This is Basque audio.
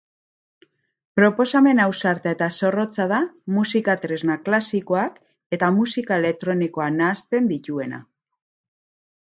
Proposamen ausarta eta zorrotza da musika-tresna klasikoak eta musika elektronikoa nahasten dituena.